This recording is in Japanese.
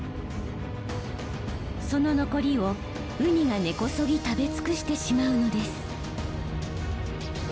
その残りをウニが根こそぎ食べ尽くしてしまうのです。